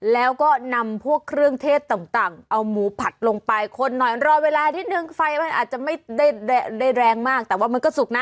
แล้วก็นำพวกเครื่องเทศต่างเอาหมูผัดลงไปคนหน่อยรอเวลานิดนึงไฟมันอาจจะไม่ได้ได้แรงมากแต่ว่ามันก็สุกนะ